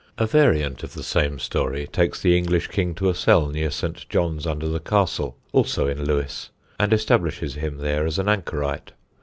A variant of the same story takes the English king to a cell near St. John's under the Castle, also in Lewes, and establishes him there as an anchorite.